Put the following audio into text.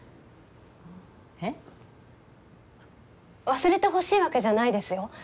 忘れてほしいわけじゃないですよ。